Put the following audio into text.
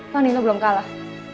panino belum kalah